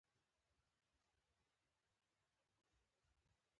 کله چې اوبه په جوش راشي درجه یې ولیکئ.